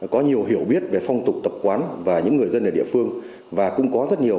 có nhiều hiểu biết về phong tục tập quán và những người dân ở địa phương và cũng có rất nhiều